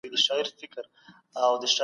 که سبا رخصتي وي نو زه به کور کي کار وکړم.